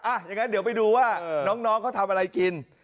อย่างนั้นเดี๋ยวไปดูว่าน้องเขาทำอะไรกิน